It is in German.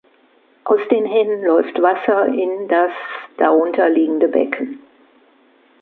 Aus den Händen läuft Wasser in des darunterliegende Becken.